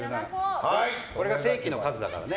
これが正規の数だからね。